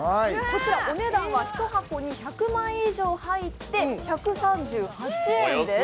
お値段は１箱に１００枚以上入って１３８円です。